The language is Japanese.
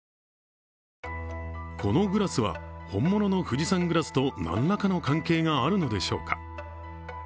このグラスは本物の富士山グラスと何らかの関係があるのでしょうか。